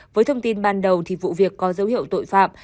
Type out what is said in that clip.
với thông tin ban đầu vụ việc có dấu hiệu tội phạm